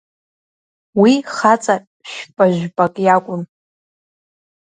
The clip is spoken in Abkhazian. Уи хаҵа шәпа-жәпак иакәын.